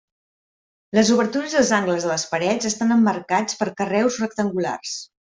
Les obertures i els angles de les parets estan emmarcats per carreus rectangulars.